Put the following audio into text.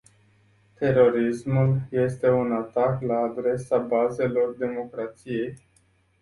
Terorismul este un atac la adresa bazelor democrației.